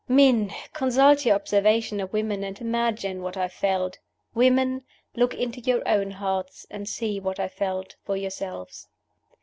Men! consult your observation of women, and imagine what I felt; women! look into your own hearts, and see what I felt, for yourselves.